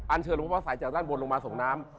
เชิญหลวงพ่อสายจากด้านบนลงมาส่งน้ำ